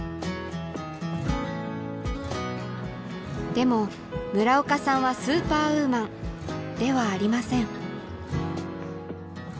でも村岡さんはスーパーウーマンではありません。